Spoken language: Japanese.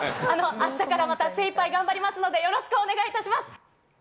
明日からまた精いっぱい頑張りますので、よろしくお願いいたしま